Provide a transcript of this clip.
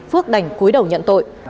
phước đành cuối đầu nhận tội